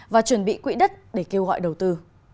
và chuẩn bị quỹ đất để kêu gọi đầu tư